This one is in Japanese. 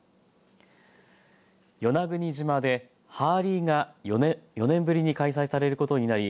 与那国島でハーリーが４年ぶりに開催されることになり